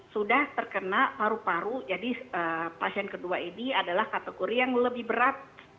sudah terkena paru paru jadi pasien kedua ini adalah kategori yang lebih berat